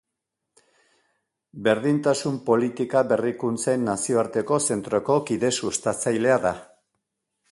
Berdintasun politika Berrikuntzen Nazioarteko Zentroko kide sustatzailea da.